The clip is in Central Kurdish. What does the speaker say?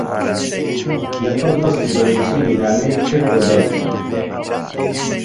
لەپڕ دەستی بە نووسینی نامەیەک کرد بۆ دایکی.